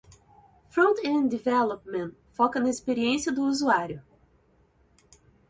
Front-end Development foca na experiência do usuário.